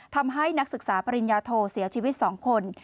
นักศึกษาปริญญาโทเสียชีวิต๒คน